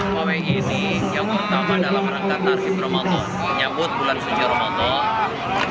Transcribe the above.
pawai ini yang pertama dalam rangka tarsih ramadan menyambut bulan suci ramadan